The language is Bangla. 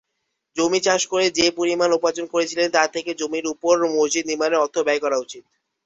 জমি চাষ করে যে পরিমাণ উপার্জন করেছিলেন তা থেকে জমির উপর মসজিদ নির্মাণের অর্থ ব্যয় করা উচিত।